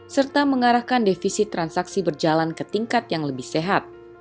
serta mengarahkan defisit transaksi berjalan ke tingkat yang lebih sehat